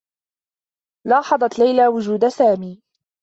لاحظت ليلى وجود سامي.